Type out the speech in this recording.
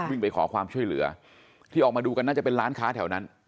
วิ่งไปขอความช่วยเหลือที่ออกมาดูกันน่าจะเป็นร้านค้าแถวนั้น